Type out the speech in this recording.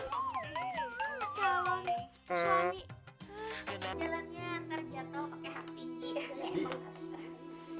terima kasih dada gua cantik juga ya